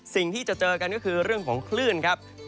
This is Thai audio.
สิ่งที่จะเจอกันก็คือเรื่องของคลื่นครับ